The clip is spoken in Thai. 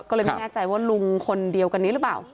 ก็เลยไม่แน่ใจว่าลุงคนเดียวกันนี้หรือเปล่า